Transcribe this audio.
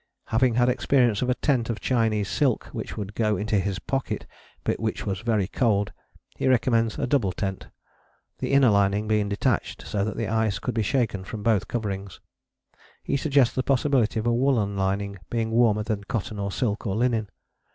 Having had experience of a tent of Chinese silk which would go into his pocket but was very cold, he recommends a double tent, the inner lining being detached so that ice could be shaken from both coverings. He suggests the possibility of a woollen lining being warmer than cotton or silk or linen.